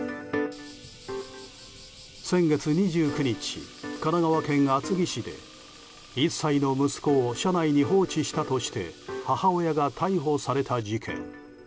先月２９日神奈川県厚木市で１歳の息子を車内に放置したとして母親が逮捕された事件。